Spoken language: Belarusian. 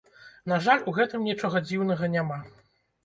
На жаль, у гэтым нічога дзіўнага няма.